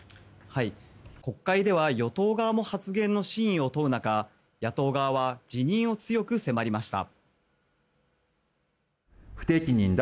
国会では与党側も発言の真意を問う中野党側は辞任を強く迫りました。